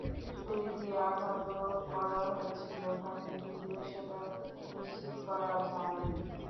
ছুরি দিয়ে আঘাতও করা হয়েছিল তাকে, যদিও সেটা নিশ্চিত করা যায়নি।